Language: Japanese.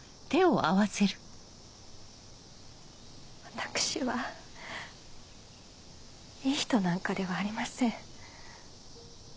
私はいい人なんかではありません。